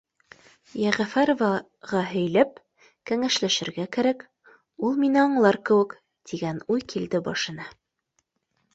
«Йәғәфәроваға һөйләп, кәңәшләшергә кәрәк, ул мине аңлар кеүек», — тигән уй килде башына